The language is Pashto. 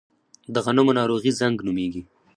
د غنمو ناروغي زنګ نومیږي.